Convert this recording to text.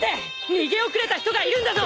逃げ遅れた人がいるんだぞ！